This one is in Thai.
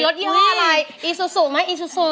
รถเยี่ยมอะไรอิซูสุไหมอิซูสุ